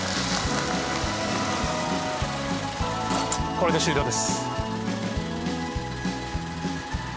これで終了です。